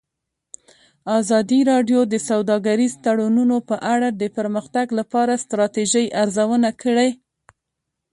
ازادي راډیو د سوداګریز تړونونه په اړه د پرمختګ لپاره د ستراتیژۍ ارزونه کړې.